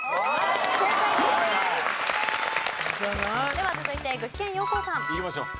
では続いて具志堅用高さん。いきましょう。